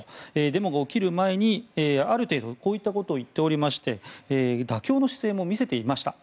デモが起きる前にある程度こういったことを言っていまして妥協の姿勢も見せていました。